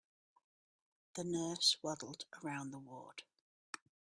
The nurse waddled around the ward.